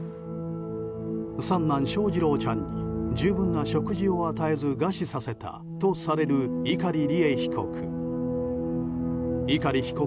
三男・翔士郎ちゃんに十分な食事を与えず餓死させたとされる碇利恵被告。